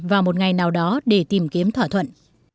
vào một ngày nào đó để tìm kiếm thỏa thuận